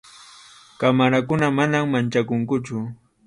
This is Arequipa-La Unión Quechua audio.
qamarakuna, manam manchakunkuchu.